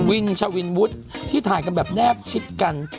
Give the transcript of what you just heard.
วินชวินวุฒิที่ถ่ายกันแบบแนบชิดกัน